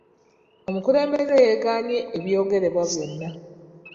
Omukulembeze yeegaanye ebyogererebwa byonna.